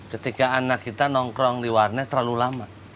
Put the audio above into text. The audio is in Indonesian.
ketika anak kita nongkrong di warnet terlalu lama